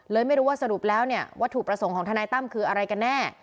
ไม่รู้ว่าสรุปแล้วเนี่ยวัตถุประสงค์ของทนายตั้มคืออะไรกันแน่